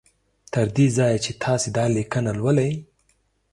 تر دې ځایه چې تاسو دا لیکنه لولی